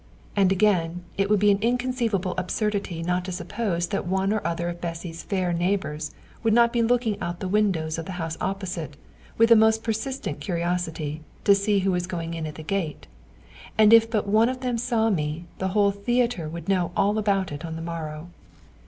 And again, it would be an inconceivable absurdity not to suppose that one or other of Bessy's fair neighbours would not be looking out of the windows of the house opposite, with the most persistent curiosity, to see who was going in at the gate. And if but one of them saw me, the whole theatre would know all about it on the morrow.